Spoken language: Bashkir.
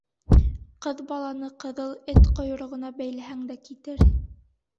Ҡыҙ баланы ҡыҙыл эт ҡойроғона бәйләһәң дә китер